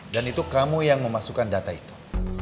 dan itu kamu yang memasukkan data itu